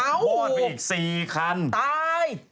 อ้าวโบนไปอีกสี่คันตาย